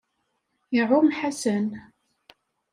Iɛumm Ḥasan.